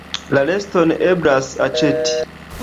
La reston eblas aĉeti.